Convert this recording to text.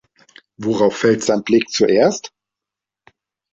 Worauf fällt sein Blick zuerst?